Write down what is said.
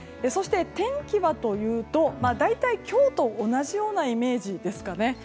天気はというと大体今日と同じようなイメージですかね。